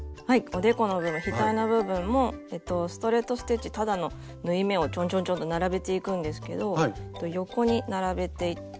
おでこの部分ひたいの部分もストレート・ステッチただの縫い目をちょんちょんちょんと並べていくんですけど横に並べていきます。